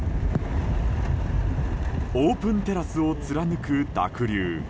オープンテラスを貫く濁流。